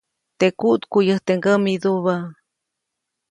Teʼ kuʼtkuʼyäjte ŋgämidubä.